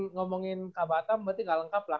ngomongin kabar atas berarti gak lengkap lah